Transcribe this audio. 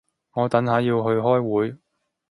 我等下要去開會